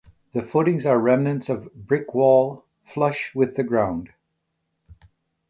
The footings are remnants of brick wall flush with the ground.